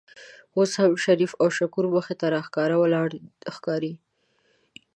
اوس هم شریف او شکور مخې ته راته ولاړ ښکاري.